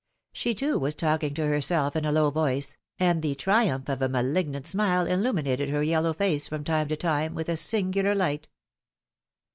She, too, was talking to herself in a low voice, and the triumph of a malignant smile illuminated her yellow face, from time to time, with a singular light.